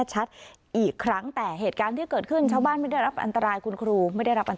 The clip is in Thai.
ท่านสมัสก็ได้ยินท่านสมัสก็ได้ยิน